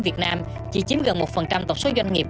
việt nam chỉ chiếm gần một tổng số doanh nghiệp